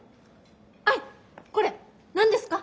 アイこれ何ですか？